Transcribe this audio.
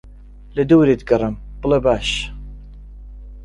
لەدەورت گەڕێم بڵێ باش